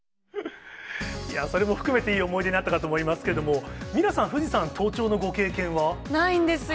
それも含めていい思い出になったかと思いますけど、ミラさん、ないんですよ。